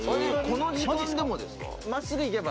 この時間でもですか？